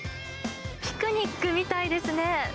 ピクニックみたいですね。